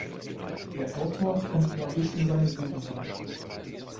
Der Autor kommt aber bis in seine Gegenwart.